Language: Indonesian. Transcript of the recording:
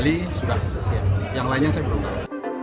bali sudah siap yang lainnya saya belum tahu